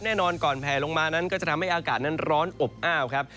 แน่นอนก่อนแผลลงมานั้นก็จะทำให้อากาศนั้นร้อนอบอ้าวครับ